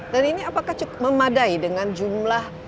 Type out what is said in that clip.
dan ini apakah memadai dengan jumlah